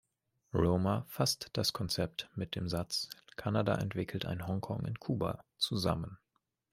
Romer fasst das Konzept mit dem Satz „Kanada entwickelt ein Hongkong in Kuba“ zusammen.